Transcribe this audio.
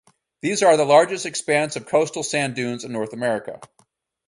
These are the largest expanse of coastal sand dunes in North America.